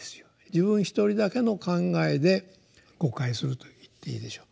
自分一人だけの考えで誤解すると言っていいでしょう。